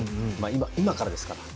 今からですから。